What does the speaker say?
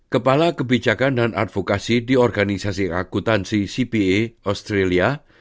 kepala kebijakan dan advokasi di organisasi akutansi cpe australia